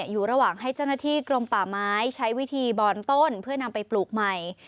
อยู่ระหว่างให้เจ้าหน้าที่กรมป่าไม้ใช้วิธีบอนต้นเพื่อนำไปปลูกใหม่